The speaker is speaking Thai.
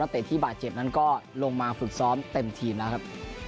เตะที่บาดเจ็บนั้นก็ลงมาฝึกซ้อมเต็มทีมแล้วครับ